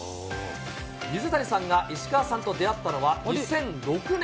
水谷さんが石川さんと出会ったのは、２００６年。